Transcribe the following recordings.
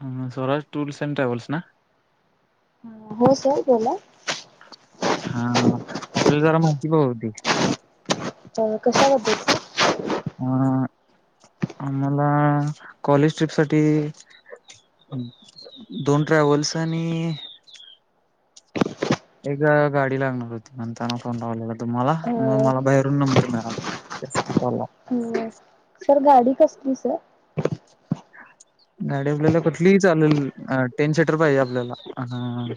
A, Swaraj tours and travels ना. ह हो सर बोला. हा आपल्या जरा माहिती हवी होती. अ कशा बद्दल सर. अ आम्हाला कॉलेज ट्रिप साठी दोन ट्रॅव्हल्स आणि एक गाडी लागणार होती. म्हणताना फोन लावलेला तुम्हाला. म अ मला बाहेर नंबर मिळाला त्यासाठी कॉल लावला. अ, सर गाडी कसली सर. गाडी आपल्याला कुठलीही चालेल. टेन सीटर पाहिजे आपल्याला. ह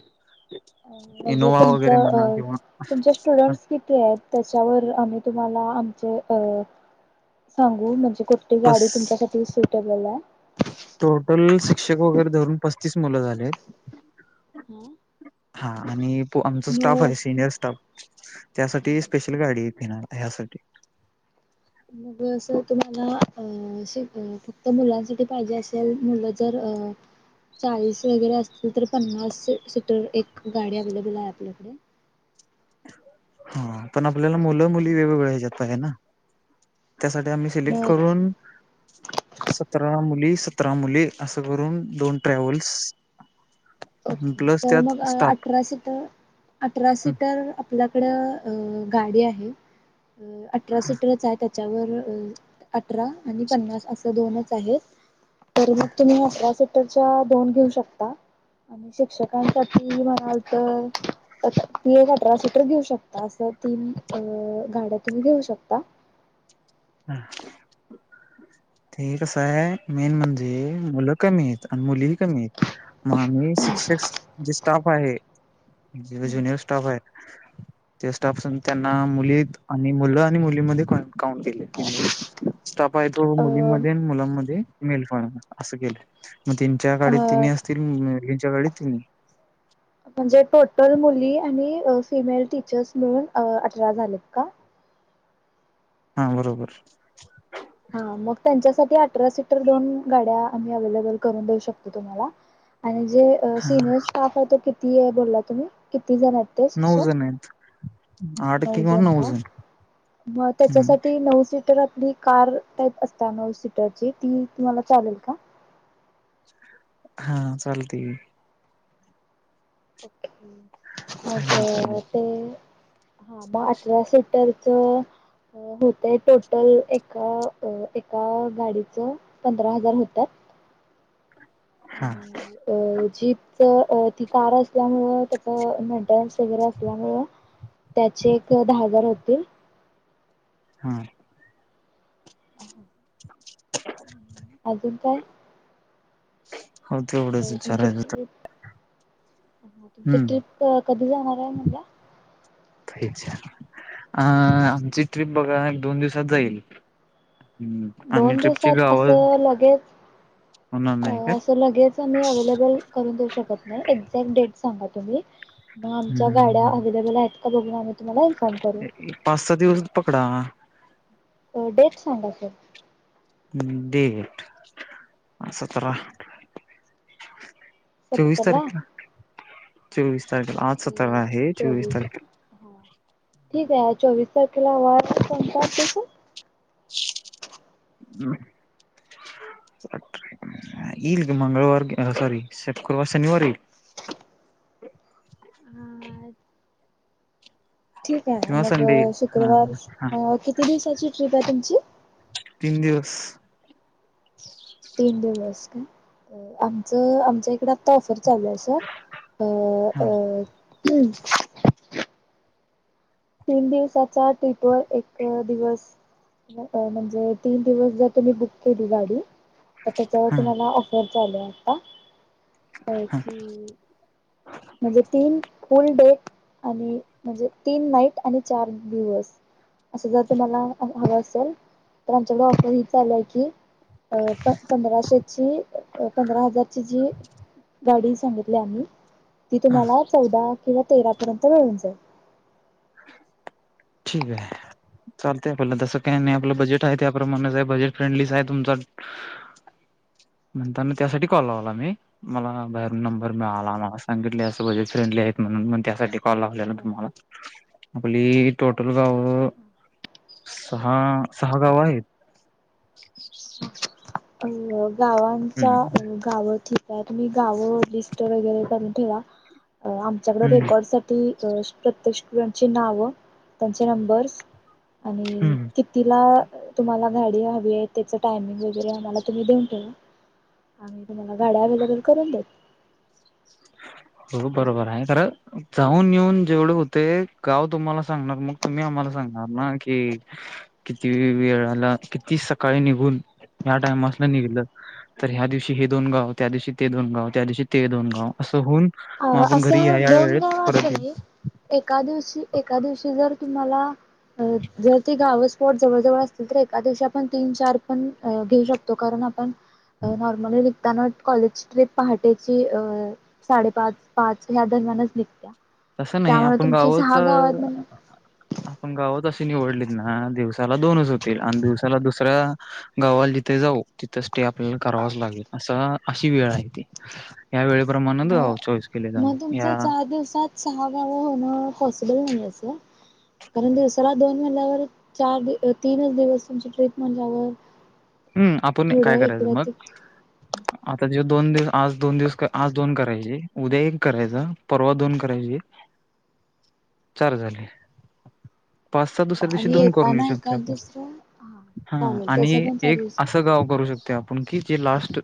म्हणजे इनोवा वगैरे तुमचं म्हणा. अ किंवा तुमचे हां, स्टुडंट्स किती आहेत? त्याच्यावर आम्ही तुम्हाला आमचे अ सांगू, म्हणजे कुठची पस गाडी तुमच्यासाठी सुटेबल आहे. टोटल शिक्षक वगैरे धरून, पस्तीस मुलं झालेत. हा हां आणि आमचा स्टाफ मग हाय, सिनियर स्टाफ, त्यासाठी हा स्पेशल कुठली गाडी फिरणार ह्यासाठी? मग असं तुम्हाला, अ श फक्त मुलांसाठी पाहिजे असल मुलं जर अ चाळीस वगैरे असतील, तर पन्नास सीटर एक गाडी अवे्लेबल आहे, आपल्याकडे. हां कारण पण आपल्याला मुलं मुली वेगवेगळ्या ह्याच्यात पाहिजे ना? त्यासाठी आम्ही सिलेक्ट मग करून सतरा मुली सतरा मुले असं करून, दोन ट्रॅव्हल्स ओके प्लस सर त्यात मग स्टाफ अठरा सिटर अठरा हं, सीटर आपल्याकड अ गाडी आहे, अ अठरा सीटरच आहेत, त्यात च्यावर अठरा आणि पन्नास असं दोनच आहेत. तर मग तुम्ही अठरा सीटरच्या, दोन घेऊ शकता. आणि शिक्षकांसाठी म्हणाल तर त एक अठरा सिटर घेऊ शकता, असं तीन अ गाड्या तुम्ही घेऊ शकता. हं. ते कसं ये मेन म्हणजे मुलं कमी येत आणि मुलीही कमी येत. मग मी शिक्षक जे स्टाफ आहे, हं. जुनियर स्टाफ आहे. ते स्टाप संग त्यांना मुलीत आणि मुलं आणि मुलीमध्ये कॉय -काउंट केले. फिमेल स्टाप आहे तो, अ मुलींमध्ये आणि मुलांमध्ये मेलपण ये असं केलंय. मग तीनच्या अ, गाडीत तिन्ही असतील, मुलींच्या गाडीत तिन्ही. म्हणजे टोटल मुली आणि फिमेल टीचर्स मिळून अठरा झालेत का? हां बरोबर. हां मग त्यांच्यासाठी अठरा सीटर दोन गाड्या आम्ही अवेलेबल करून देऊ शकतो, तुम्हाला. आणि जे अ हा सिनियर स्टाफ आहे तो किती ये बोलला तुम्ही, किती जण यत? ते नऊ शिक्षक, जण आहेत. आठ किंवा नऊजण नऊ का? जण मग हम्म त्याच्यासाठी नऊ सीटर आपली. कार टाईप असता नऊ सीटरची, ती तुम्हाला चालेल का? हां चालतय. ओके, चालेल चालेल मग ते हा मग अठरा सीटरच होतय टोटल, एका अ एका गाडीचं पंधरा हजार होतात. हां. अं जीपच अ ती कार अस त्यामुळं त्याच मेंटेनन्स वगैरे असल्यामुळं, त्याचे एक दहा हजार होतील. हां. ह हां. हम्. अजून काय? होत. अ तेवढंच तुमची विचारायचं ट्रिप, हां तुमची हम्म ट्रिप कधी जाणार हाय म्हणला? [unintelligible] अं आमची ट्रिप बघा, एक दोन दिवसात जाईल. हम्म. आणि दोन ट्रिपची दिवसात गावं असं लगेच? होणार अ नाही काय असं लगेच आम्ही अवेलेबल करूंन देऊं शकतं नाहीं एक्झॅक्ट डेटं सांगा तुम्हीं मंग आमच्यां गाड्यान हम्म अव्हेलेबल आहेतं कां बघूंन आम्हीं तुम्हांला इन्फॉर्म करूं पांच सहा दिवसंच पकडा डेट सांगा सरं हम्मं डेट सतरा चोवीस सत्तरला तारखेला चोवीस तारखेला आंज सतरा आहे चोवीस तारखेला हा ठीक आहे चोवीस तारखेला वारं कोणतां येतो सरं हम् [unintelligible] इल मंगळवार सॉरी शुक्रवार शनिवार येईल हा [unintelligible] हा ठीक आहे किंवा मंग संडे येईल हा शुक्रवार हा किती दिवसांची ट्रिप आहे तुमची तीनं दिवसं तीनं दिवसं कां आमचं आमच्यां इकडं ऑफर चालूं आहे सरं हा अं तीनं दिवसांच्या ट्रिप वरं एक दिवसं म्हणजे तीनं दिवसं जरं तुम्हीं बुक केली गांडी तरं त्यांच्यावर हा तुम्हांला ऑफर झालं आंता तरं हा कि म्हणजे तीनं फुलं डे आणि म्हणजे तीनं नाईट आणि चार दिवसं असं जरं तुम्हांला हवं असेल तरं आमच्यांकडे ऑफर ही चालुं आहे की प पंधराशेची पंधरा हजांरची जी गांडी सांगितली आम्हीं ती हा तुम्हांला चौदा किंवा तेरां पर्यंत मिळूंन जाईल ठीक आहे चालतं आपल्यालां तसं कांहीं नाहीं आपलं बजेट ताई त्यां प्रमाणे बजेट फ्रेंडली आहे तुमचां म्हणतां मंग त्यांसाठी कॉल लावलां मी मलां बाहेरूंन नंबर हा मिळांला मलां सांगितले असं बजे फ्रेंडली आहेतं म्हणूंन मं त्यांसाठी कॉल लावलेला हा. तुम्हांला आपली टोटल गावं सहा सहा गावं आहेतं अं गावांचा हम्म गावं ठीक आहे तुम्हीं गावं लिस्ट वगैरें करूंन ठेवां आमच्याकडे हम्म रेकॉर्ड प्रत्येक स्टुडंटची नांव त्यांचे नंबर आणि हम्म क तिलां तुम्हांला गांडी हवी आहे त्याचं टायमिंग वगैरें मलां तुम्हीं देऊंन ठेवा आम्हीं तुम्हांला गाड्यां अव्लेबल करूंन देतं हं हो बरोबर आहे खरं जाऊंन येऊंन जेवढे होते गावं तुम्हांला सांगणार मंग तुम्हीं आम्हांला सांगणार नां कि किती वेळांला किती सकाळीं निघून यांया टाइम्सने निघलं तरं ह्यां दिवशी हे दोन गावं त्यां दिवशी ते दोन गावं त्यां दिवशी ते दोन गावं असं होऊंन अं असं दोन गावं येऊ. असेली एकां दिवशी एकां दिवशी जरं तुम्हांला अं जरं ती गांवच कोट जवळं जवळं असतील तरं एकां दिवशी आपणं तीनं चार पणं घेऊ शकतो कारणं आपणं नॉर्मली निघतांना कॉलेज ट्रिप पहाटेची अं साडेपाच पाच ह्यां दरम्यांनच निघत्यां तसं नाहीं आपणं गांवच म्हण आपणं गावांत अशी निवडलीत नां दिवसांला दोनचं होतील आणि दिवसांला दुसरां गावांला जिथे जाऊं तिथं स्टे आपल्यांला करावांच लागेल असं अशी वेळं आहे ती यां मग वेळेप्रमाणेच चॉईस केले जां मग तुमचं यां चार दिवसात. सहा गाव होणं पॉसिबल नाही असं कारण दिवसाला दोन महिन्यावर चार दी - तीनच दिवस तुमची ट्रीप म्हणल्यावर हम् आपुण काय थोडं करायचं मग? इकडं आता जव् दोन दिवस आज दोन दिवस आज दोन करायचे उद्या एक करायचं परवा दोन करायचे. चार झाले. पाच सहा हा दुसऱ्या दिवशी आणि दोन करून येऊ येताना शकतोय एकाद आपण. दुसरं हा हा चालेल आणि तसं पण एक चालूच असं गाव करू शकतय आपण की जे लास्ट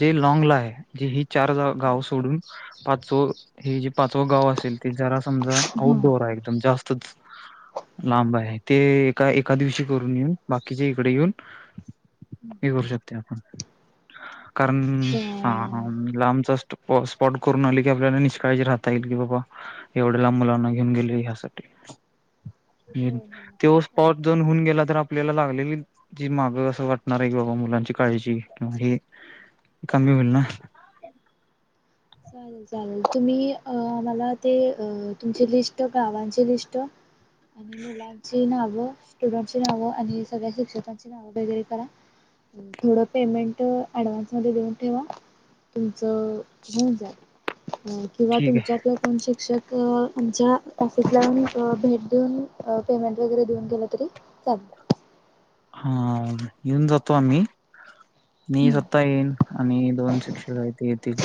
जे लाँगलाय जी ही चार गाव सोडून पाचव हे जे पाचव गाव असेल ते जरा समजा हम्म. आउटडोअर आहे एकदम जास्त तच लांब आहे ते एका एका दिवशी करून येऊन बाकीचे इकड येऊन हे करू शकतय आपण. कारण हा हा चालेल लांबचा स्पॉ स्पॉट करून आली की आपल्याला निष्काळजी राहता येईल की बाबा एवढ्या लांब मुलांना घेऊन गेले ह्यासाठी. हो हो त्यो ठीक आहे. स्पॉट जाऊन होऊन गेला तर आपल्याला लागलेली जी माग असं वाट होणार की बाबा मुलांची काळजी किंवा हे कमी होईल ना? चालेल चालेल तुम्ही अ मला ते अ तुमची लिस्ट गावांचे लिस्ट [inaudible] आणि मुलांची नाव स्टुडंटची नावं आणि सगळ्या शिक्षकांची नावं वगैरे करा. थोडं पेमेंट ऍडव्हान्स मध्ये घेऊन ठेवा तुमचं होऊन जातय अ किंवा ठीक आहे. तुमच्या आपल्या पण शिक्षक आमच्या ऑफिसला येऊन अ भेट देऊन अ पेमेंट वगैरे देऊन गेलं तरी चालतय. हा येऊन जातो आम्ही. मी हम्म. स्वतः येईन आणि दोन शिक्षक आहेत ते येतील.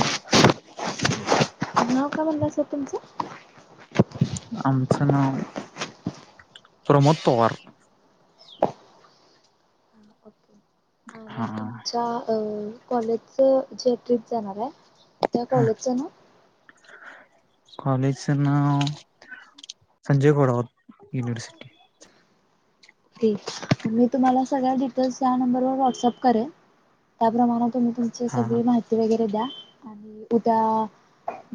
अडनाव काय म्हणलासा तुमचं? आमचं नाव प्रमोद पवार. [inaudible] आणि हा तुमच्या अ कॉलेजच जे ट्रिप जाणाराय. त्या कॉलेजचं नाव कॉलेज च नाव संजय घोडावत युनिवर्सिटी ती मी तुम्हाला सगळ्या डि तर सहा नंबर वर व्हॉट्सअप करेण. त्याप्रमाणे तुम्ही तुमची हा सगळी माहिती वगैरे द्या. आणि उद्या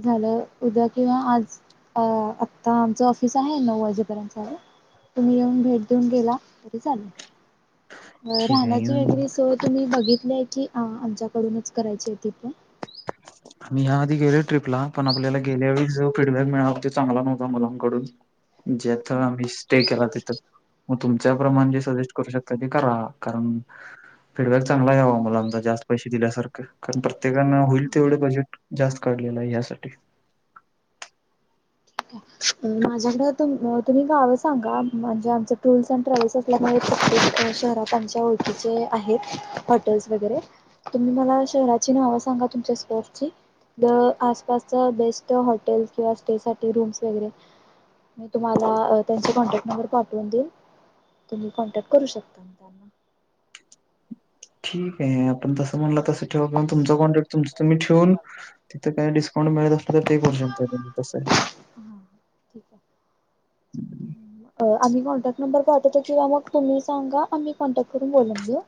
झालं उद्या किंवा आज अ आता आमचं ऑफिस आहे नऊ वाजेपर्यंतच आहे तुम्ही येऊन भेट देऊन गेला तरी चालेल अ ठीक आहे राहण्याची येऊन वगैेरे सोय तुम्ही बघितलेय की आ आमच्याकडूनच करायची आहे ती पण मी ह्या आधी गेलोय ट्रीपला पण आपल्याला गेल्या वेळी जो फीडबॅक मिळाला. त्यो चांगला नव्हता मुलांकडून जे आता हं. मी स्टे केला तिथंच मग तुमच्या प्रमाण जे सजेस्ट करू शकताय ते करा. कारण फीडबॅक चांगला यावा मुलांचा जास्त पैशे दिल्यासारख कारण प्रत्येकान होईल तेवढे बजेट जास्त काढलय यासाठी माझ्याकड तुम्ह - तुम्ही गावं सांगा म्हणजे आमच टूर्स अँड ट्रॅव्हल् आपल्या माहितीत प्रत्येक शहरात आमच्या ओळखीचे आहेत हॉटेल्स वगैरे तुम्ही मला शहराची नावं सांगा तुमच्या स्कोअरची. द आसपासचा बेस्ट हॉटेल किंवा स्टे साठी रूम्स वगैरे मी तुम्हाला अ त्यांचे कॉन्टॅक्ट नंबर पाठवून देईन. तुम्ही कॉन्टॅक्ट करू शकता म त्यांना. ठीक आहे आपण तसं म्हणला तसं ठेवू किंवा तुमचा कॉन्टॅक् तुमच तुम्ही ठेवून, तिथं काय डिस्काउंट मिळत असला तर ते करू शकता तुम्ही तसं. हां ठीक आहे, हम्. अ आम्ही कॉन्टॅक्ट नंबर पाठवतो किंवा मग तुम्ही सांगा आम्ही कॉन्टॅक्ट करून बोलून घेऊ.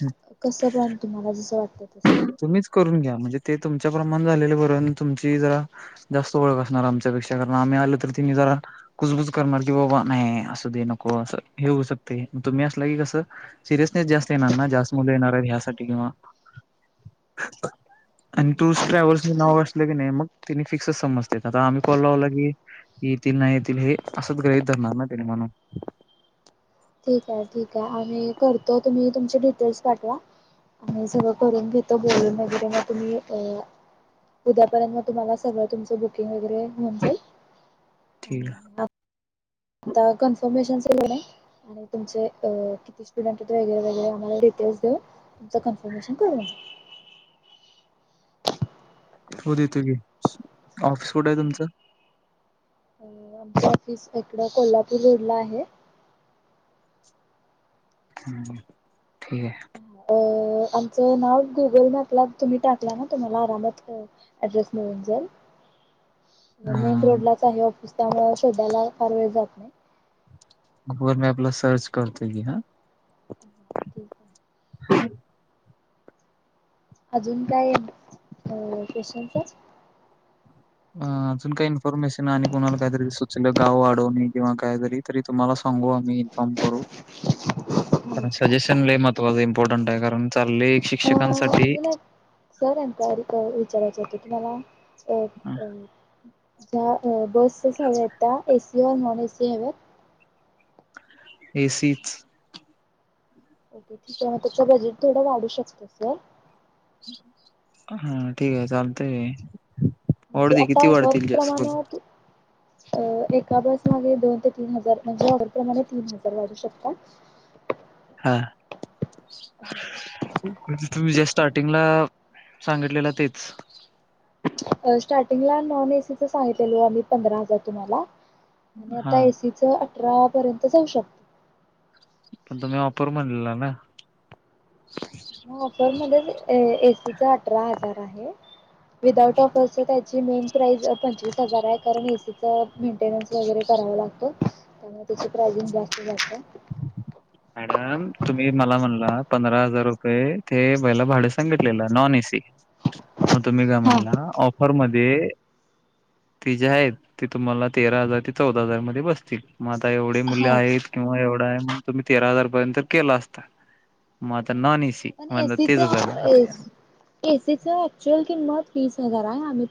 हम्. कसं पण तुम्हाला जसं वाटतंय तसं. तुम्हीच करून घ्या म्हणजे ते तुमच्या प्रमाण झालेले बरं तुमची जरा जास्त ओळख असणार आमच्यापेक्षा कारण आम्ही आल तर तिनी जरा कुजबूज करणार की बाबा नाही असू दे नको असं हे होऊ शकतय तुम्ही असला की कसं सिरियसनेस जास्त येणार ना जास्त मुलं येणार ह्यासाठी किंवा [unintelligible] आणि हं, टूर्स ट्रॅव्हल्स ठीक नाव असलं की नाही मग तिनी फिक्सच समजत्यात आता आम्ही कॉल लावला की येतील नाही येतील हे असंच ग्रहीत धरणार ना त्यांनी म्हणून. ठीक आहे ठीक आहे आम्ही करतो तुम्ही तुमचे डिटेल्स पाठवा. ही सगळं करून घेतो बोलून वगैरे म तुम्ही अ उद्यापर्यंत म तुम्हाला सगळं तुमचं बुकिंग वगैरे होऊन जाईल. ठीक आ आणि आता कन्फर्मेशनच कणी आणि तुमचे अ किती स्टुडंट हाईत वेगेरे वेगेरे आम्हाला डिटेल्स देऊन. तुमचं कन्फर्मेशन करूनया. हो देतो की, ऑफिस कुठे आहे तुमचं? आमचं ऑफिस इकडं कोल्हापूर रोडला आहे. हम्म, ठीक आहे. अ आमचं नाव गुगल मॅपला तुम्ही टाकला ना तुम्हाला आरामात क अड्रेस मिळून जाईल. मेन अ, रोडलाच आहे ऑफिस त्यामुळं शोधायला फार वेळ जात नाही. गुगल मॅपला सर्च करतो की हा. ठीक आहे. अजून काय, अ क्वेश्चन सर? अ अजून काही इन्फॉर्मेशन आणि कुणाला काहीतरी सुचलं गाव वाढवणे किंवा काहीतरी तरी तुम्हाला सांगू आम्ही इन्फॉर्म करू. कारण सजेशन लई महत्त्वाच इम्पॉर्टंट आहे कारण चालय अ शिक्षकांसाठी. अजून एक सर एन्क्वायरी अ विचारायचं होत तुम्हाला अ आ. अ, त्या अ बसेस हवेत त्या ए सी व नॉन ए सी हवेत. ए सीच. ओके ठीक आहे मग तुमचं बजेट थोडं वाढू शकतंय सर. हा ठीक आहे चालतंय. वाढू म्हणजे दे आता किती वाढतील जास्त वर्कप्रमाण ते अ एका बस मागे दोन ते तीन हजार म्हणजे ऑर्डरप्रमाणे तीन हजार वाढू शकतात. हा, म्हणजे तुम्ही जी स्टार्टिंगला सांगितलेल तेच. स्टार्टिंगला नॉन एसीच सांगितलेलो आम्ही पंधरा हजार तुम्हाला. आणि आता हां, एसी अठरा पर्यंत जाऊ शकत. पण तुम्ही ऑफर म्हणलेला ना. हो ऑफर मध्येच एसीच अठरा हजार आहे. विदाउट ऑफर ची मेन प्राइज पंचवीस हजार आहे. कारण एसी मेंटेन्स वगैरे कराव लागतो. त्यामुळे त्याची प्राइझिंग जास्त जाते. मॅडम तुम्ही मला म्हणला पंधरा हजार रुपये ते वईला भाडे सांगितलेल. नॉन एसी मग तुम्ही काय हा. म्हणला ऑफरमध्ये ते जे आहेत ते तुम्हाला तेरा हजार ते चौदा हजार मध्ये बसतील. मग आता एवढे मुल्य हा आहेत. किंवा एवढ आहे. मग तुम्ही तेरा हजारपर्यंत केला असता. मग आता हा नॉन एसी पण मग एसीच तेच झालं आता एसीच ऍक्चुअल किंमत तीस हजार आहे. आम्ही